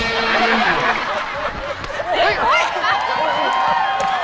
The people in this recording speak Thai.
เอ้ยยเฮ้ย